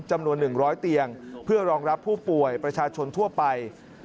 จำนวน๑๐๐เตียงเพื่อรองรับผู้ป่วยประชาชนทั่วไป